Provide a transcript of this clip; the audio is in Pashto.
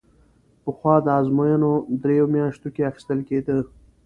پخوا دا ازموینه درېیو میاشتو کې اخیستل کېده.